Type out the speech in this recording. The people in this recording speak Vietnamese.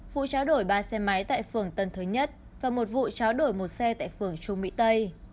vụ tráo đổi ba xe máy tại phường tân thới nhất và một vụ tráo đổi một xe tại phường trung mỹ tây